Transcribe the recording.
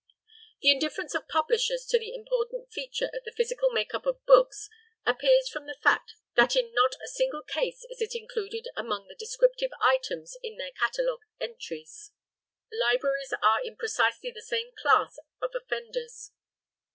The indifference of publishers to the important feature of the physical make up of books appears from the fact that in not a single case is it included among the descriptive items in their catalogue entries. Libraries are in precisely the same class of offenders.